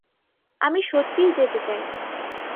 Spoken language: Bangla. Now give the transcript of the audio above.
আমি সত্যিই যেতে চাই।